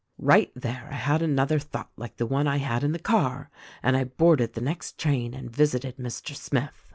"Right there I had another thought like the one I had in the car, and I boarded the next train and visited Mr. Smith.